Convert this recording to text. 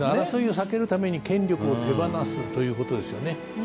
争いを避けるために権力を手放すということですよね。